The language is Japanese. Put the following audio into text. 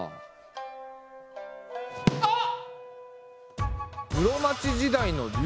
あっ！